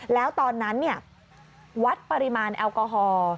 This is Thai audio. แล้วตอนนั้นวัดปริมาณแอลกอฮอล์